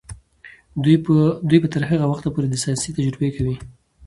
دوی به تر هغه وخته پورې د ساینس تجربې کوي.